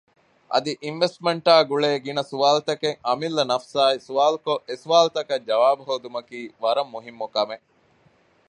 އަދި އިންވެސްޓްމަންޓާ ގުޅޭ ގިނަ ސުވާލުތަކެއް އަމިއްލަ ނަފުސާއި ސުވާލުކޮށް އެސުވާލުތަކަށް ޖަވާބު ހޯދުމަކީ ވަރަށް މުހިންމު ކަމެއް